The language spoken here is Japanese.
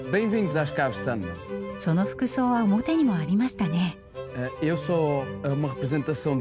その服装は表にもありましたね。